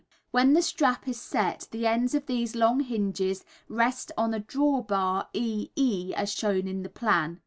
When the trap is set the ends of these long hinges rest on a draw bar E E, as shown in the plan.